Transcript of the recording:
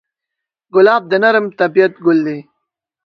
ګلاب د نرم طبعیت ګل دی.